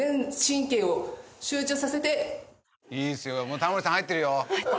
もうタモリさん入ってるよ。